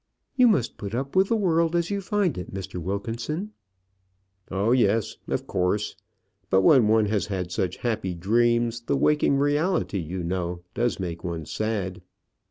"You must put up with the world as you find it, Mr. Wilkinson." "Oh, yes; of course. But when one has had such happy dreams, the waking reality, you know, does make one sad."